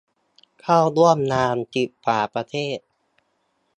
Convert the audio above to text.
เข้าร่วมงานสิบกว่าประเทศ